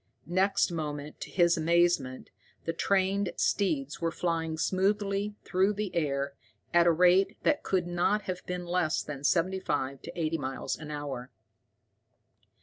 Next moment, to his amazement, the trained steeds were flying smoothly through the air, at a rate that could not have been less than seventy five to eighty miles an hour.